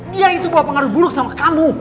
dia itu bawa pengaruh buruk sama kamu